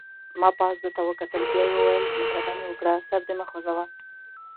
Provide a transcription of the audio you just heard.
ما پاس ده ته وکتل، بیا یې وویل: مهرباني وکړه سر دې مه خوځوه.